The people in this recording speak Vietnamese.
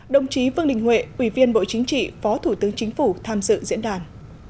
đồng chí vương đình huệ ủy viên bộ chính trị phó thủ tướng chính phủ tham dự diễn đàn